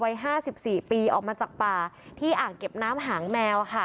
วัย๕๔ปีออกมาจากป่าที่อ่างเก็บน้ำหางแมวค่ะ